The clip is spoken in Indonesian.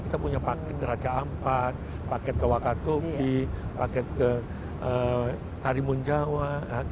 kita punya paket raja ampat paket ke wakatobi paket ke tarimun jawa